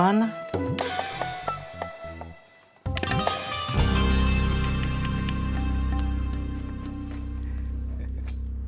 kalau ada copet